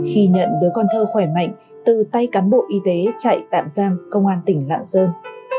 khi nhận đứa con thơ khỏe mạnh từ tay cán bộ y tế chạy tạm giam công an tỉnh lạng sơn